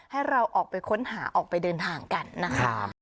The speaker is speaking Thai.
ให้เราออกไปค้นหาออกไปเดินทางกันนะคะ